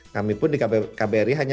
kami pun di kbri hanya